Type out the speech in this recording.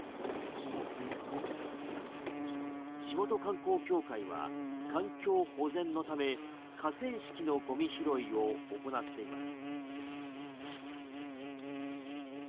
地元観光協会は環境保全のため河川敷のゴミ拾いを行っています。